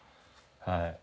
はい。